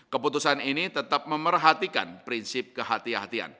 keputusan ini tetap memerhatikan prinsip kehatian kehatian